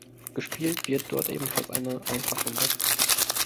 Gespielt wird dort ebenfalls eine Einfachrunde.